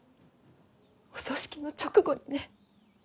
お葬式の直後にね。